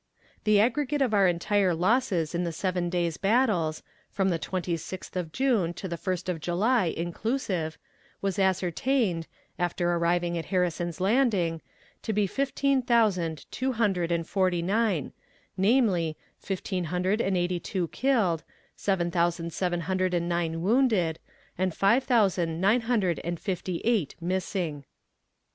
The aggregate of our entire losses in the seven days' battles, from the twenty sixth of June to the first of July, inclusive, was ascertained, after arriving at Harrison's Landing, to be fifteen thousand two hundred and forty nine, namely: fifteen hundred and eighty two killed; seven thousand seven hundred and nine wounded, and five thousand nine hundred and fifty eight missing.